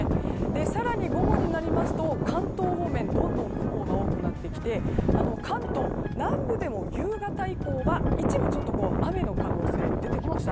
更に午後になりますと関東方面、どんどん雲が多くなってきて関東、南部でも夕方以降は一部雨の可能性が出てきました。